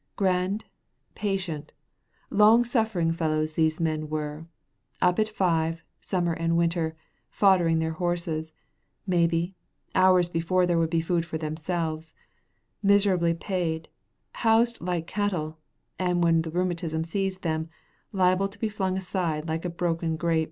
Grand, patient, long suffering fellows these men were, up at five, summer and winter, foddering their horses, maybe, hours before there would be food for themselves, miserably paid, housed like cattle, and when the rheumatism seized them, liable to be flung aside like a broken graip.